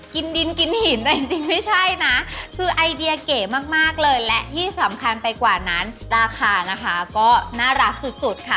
กินดินกินหินแต่จริงไม่ใช่นะคือไอเดียเก๋มากเลยและที่สำคัญไปกว่านั้นราคานะคะก็น่ารักสุดค่ะ